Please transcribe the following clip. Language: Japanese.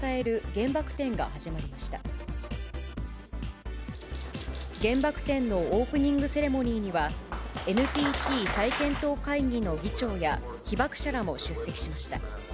原爆展のオープニングセレモニーには、ＮＰＴ再検討会議の議長や、被爆者らも出席しました。